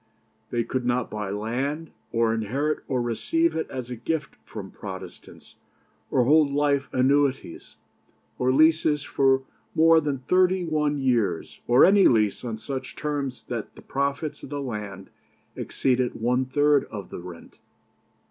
They could not buy land, or inherit or receive it as a gift from Protestants, or hold life annuities, or leases for more than thirty one years, or any lease on such terms that the profits of the land exceeded one third of the rent.